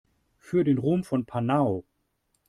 Für den Ruhm von Panau!